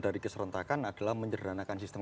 dari keserentakan adalah menyederhanakan sistem